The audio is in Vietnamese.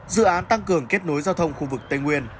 dự án tăng cường kết nối giao thông khu vực tây nguyên